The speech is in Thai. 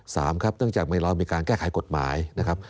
ครับเนื่องจากเรามีการแก้ไขกฎหมายนะครับ